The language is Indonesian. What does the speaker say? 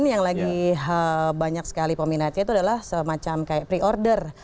yang lagi banyak sekali peminatnya itu adalah semacam kayak pre order